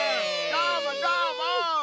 どーもどーも！